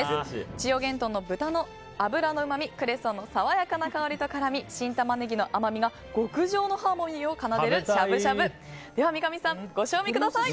千代幻豚の脂のうまみクレソンの爽やかな香りと辛み新タマネギの甘みが極上のハーモニーを奏でるしゃぶしゃぶ三上さん、ご賞味ください！